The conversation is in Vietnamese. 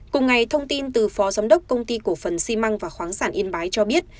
cùng ngày thông tin từ phó giám đốc công ty cổ phần xi măng và khoáng sản yên bái cho biết